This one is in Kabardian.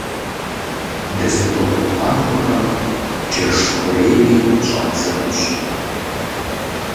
Дызыхуэкӏуэ махуэхэм джэш хъурейми щӏадзэнущ.